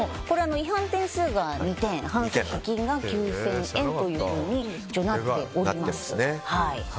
違反点数が２点反則金が９０００円となっております。